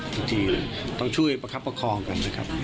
พิธีเลยต้องช่วยประคับประคองกันนะครับ